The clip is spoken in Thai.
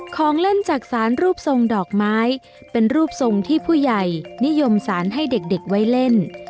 ของเล่นจักษานรูปทรงดอกไม้เป็นรูปทรงที่ผู้ใหญ่นิยมสารให้เด็กไว้เล่น